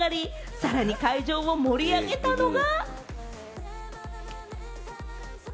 さらに会場を盛り上げたのが。